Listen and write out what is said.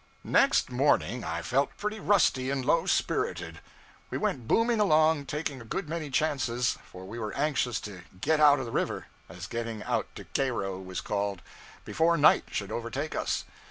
Next morning I felt pretty rusty and low spirited. We went booming along, taking a good many chances, for we were anxious to 'get out of the river' (as getting out to Cairo was called) before night should overtake us.